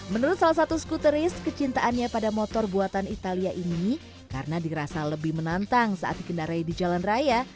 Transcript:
menurut salah satu skuteris kecintaannya pada motor buatan italia ini karena dirasa lebih menantang saat dikendarai di jalan raya